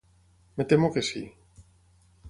Em temo que sí.